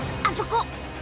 あそこ。